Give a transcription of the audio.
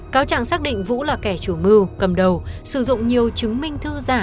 cáo trạng xác định vũ là kẻ chủ mưu cầm đầu sử dụng nhiều chứng minh thư giả